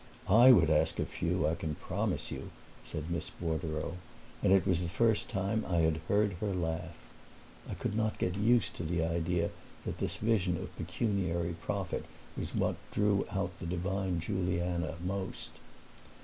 "I would ask a few, I can promise you!" said Miss Bordereau; and it was the first time I had heard her laugh. I could not get used to the idea that this vision of pecuniary profit was what drew out the divine Juliana most.